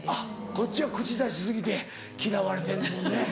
こっちは口出し過ぎて嫌われてんねんもんね。